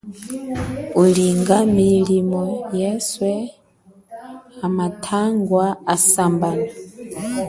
Ulinga milimo ye yeswe ha matangwa asambono.